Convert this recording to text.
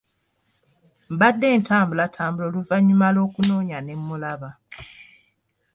Mbadde ntambulatambula oluvannyuma lw'okunoonya ne mulaba.